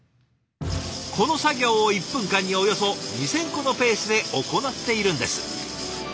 この作業を１分間におよそ２，０００個のペースで行っているんです。